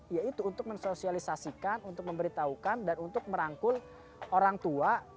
yaitu untuk mensosialisasikan untuk memberitahukan dan untuk merangkul orang tua